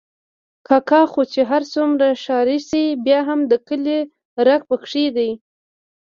کاکا خو چې هر څومره ښاري شي، بیا هم د کلي رګ پکې دی.